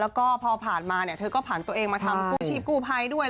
แล้วก็พอผ่านมาเธอก็ผ่านตัวเองมาทำกู้ชีพกู้ภัยด้วย